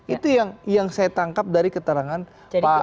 itu yang saya tangkap dari keterangan pak